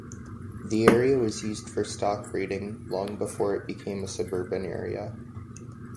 The area was used for stock breeding long before it became a suburban area.